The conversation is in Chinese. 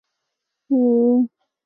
偶尔会与塞外一同使用。